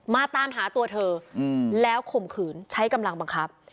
มาตามหาตัวเธอแล้วข่มขืนใช้กำลังบังคับ